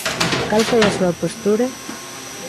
¿Cal foi a súa postura?